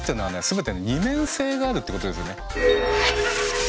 全て二面性があるってことですよね。